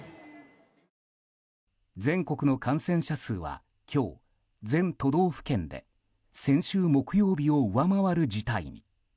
全国の感染者数は、今日全都道府県で先週木曜日を上回る事態に。